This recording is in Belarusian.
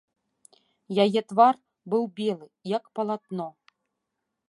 Яе твар быў белы, як палатно.